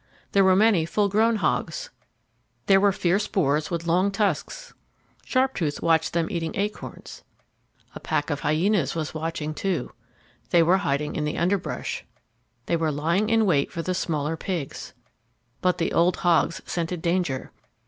There were many full grown hogs. There were fierce boars with long tusks. Sharptooth watched them eating acorns. A pack of hyenas was watching, too. They were hiding in the underbrush. They were lying in wait for the smaller pigs. But the old hogs scented danger.